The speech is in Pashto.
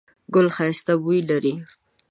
ګل ښایسته بوی لري